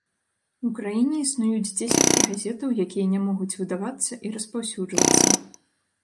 У краіне існуюць дзесяткі газетаў, якія не могуць выдавацца і распаўсюджвацца.